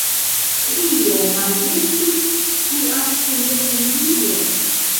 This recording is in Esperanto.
Kio malhelpus tian sendependiĝon?